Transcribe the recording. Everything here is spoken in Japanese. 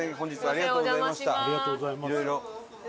ありがとうございます。